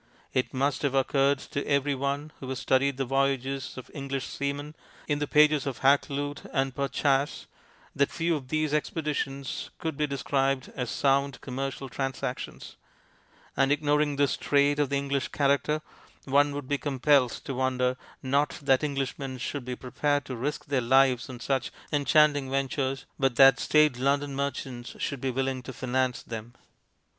It must have occurred to every one who has studied the voyages of the Eng lish seamen in the pages of Hakluyt and Purchas that few of these expeditions could be described as sound commercial trans actions ; and, ignoring this trait of the Eng lish character, one would be compelled to wonder, not that Englishmen should be pre pared to risk their lives on such enchanting ventures, but that staid London merchants should be willing to finance them.